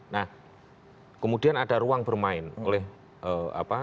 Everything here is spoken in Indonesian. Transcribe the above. nah kemudian ada ruang bermain oleh apa